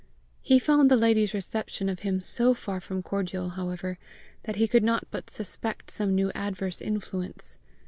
He found the lady's reception of him so far from cordial, however, that he could not but suspect some new adverse influence.